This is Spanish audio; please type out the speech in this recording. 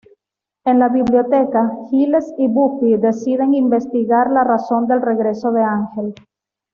En la biblioteca, Giles y Buffy deciden investigar la razón del regreso de Ángel.